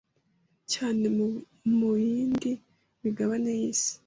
cyane mu yindi migabane y’isi